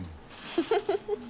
フフフフッ。